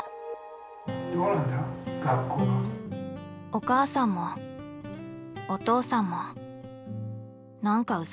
お母さんもお父さんも何かウザかった。